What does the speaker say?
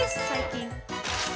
最近。